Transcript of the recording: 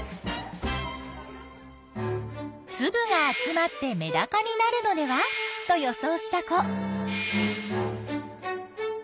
つぶが集まってメダカになるのではと予想した子。